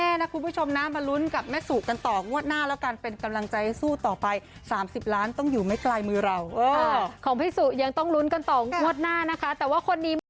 ต้องใส่จะใกล้หรือเปล่างวดหน้าต้องใส่จะเป็นของคุณแม้หรือเปล่า